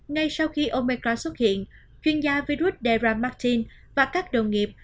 ngay sau khi omicron xuất hiện chuyên gia virus debra martin và các đồng nghiệp